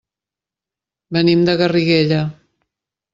Venim de Garriguella.